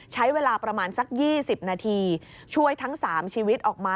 ใช้เวลาประมาณสัก๒๐นาทีช่วยทั้ง๓ชีวิตออกมา